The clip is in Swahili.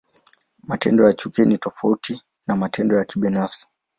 Matendo ya chuki ni tofauti na matendo ya kibinafsi.